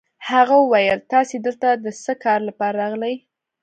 هغه وویل: تاسي دلته د څه کار لپاره راغلئ؟